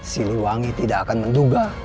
siliwangi tidak akan menduga